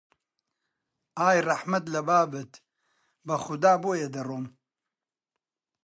ئای ڕەحمەت لە بابت، بەخودا بۆیە دەڕۆم!